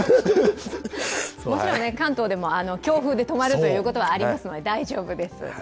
もちろん関東でも強風で止まるということはありますので大丈夫です。